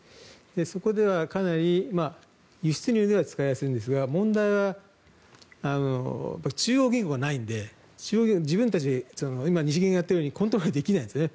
そこではかなり輸出入では使いやすいんですが問題は中央銀行がないので自分たち今、日銀がやっているようにコントロールできないんですね。